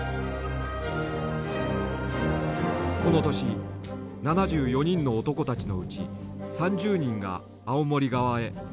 この年７４人の男たちのうち３０人が青森側へ渡った。